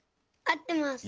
あってます。